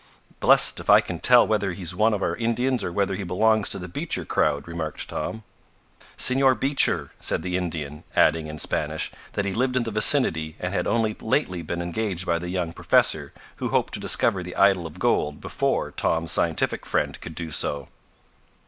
"Blessed if I can tell whether he's one of our Indians or whether he belongs to the Beecher crowd," remarked Tom. "Senor Beecher," said the Indian, adding, in Spanish, that he lived in the vicinity and had only lately been engaged by the young professor who hoped to discover the idol of gold before Tom's scientific friend could do so.